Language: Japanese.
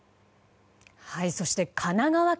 そして神奈川県